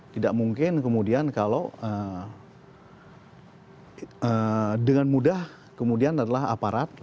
tidak mungkin kemudian kalau dengan mudah kemudian adalah aparat